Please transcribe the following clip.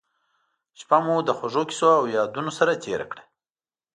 شپه مو له خوږو کیسو او یادونو سره تېره کړه.